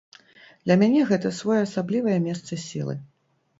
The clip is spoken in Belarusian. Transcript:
Для мяне гэта своеасаблівае месца сілы.